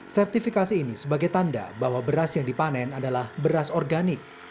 sertifikasi ini sebagai tanda bahwa beras yang dipanen adalah beras organik